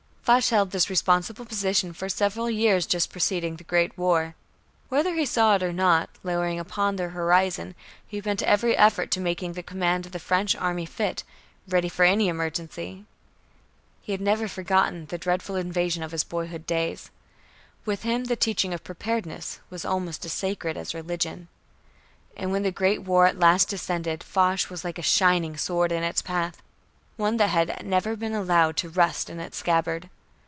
Foch held this responsible position for several years just preceding the Great War. Whether he saw it or not, lowering upon the horizon, he bent every effort to making the command of the French army fit, ready for any emergency. He had never forgotten the dreadful invasion of his boyhood days. With him the teaching of preparedness was almost as sacred as religion. And when the Great War at last descended, Foch was like a shining sword in its path, one that had never been allowed to rust in its scabbard.